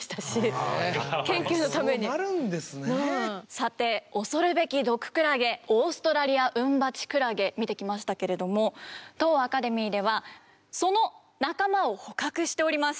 さて恐るべき毒クラゲオーストラリアウンバチクラゲ見てきましたけれども当アカデミーではその仲間を捕獲しております。